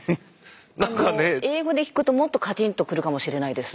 英語で聞くともっとカチンとくるかもしれないです。